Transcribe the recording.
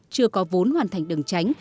chưa có vốn hoàn thành đường tránh